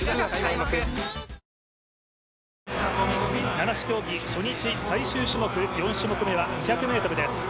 七種競技、初日最終種目４種目目は２００ｍです。